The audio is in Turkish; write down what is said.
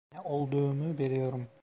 Ne olduğumu biliyorum.